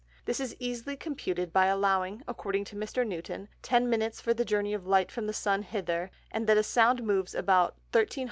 This is easily computed, by allowing (according to Mr. Newton) Ten Minutes for the Journey of Light from the Sun hither, and that a Sound moves about 1300 Foot in a Second.